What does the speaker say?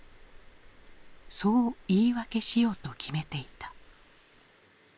そう言い訳しようと決めていた。